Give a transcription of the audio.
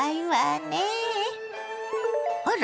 あら？